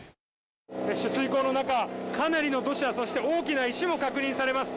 取水口の中、かなりの土砂、そして大きな石も確認されます。